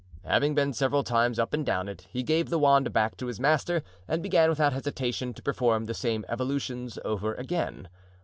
Having been several times up and down it, he gave the wand back to his master and began without hesitation to perform the same evolutions over again.